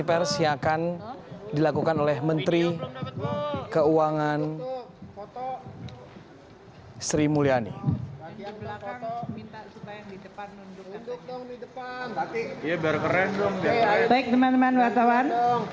baik teman teman wakawan